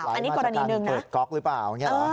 อันนี้กรณีหนึ่งนะเปิดก๊อกหรือเปล่า